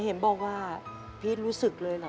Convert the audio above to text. คุณหมอบอกว่าเอาไปพักฟื้นที่บ้านได้แล้ว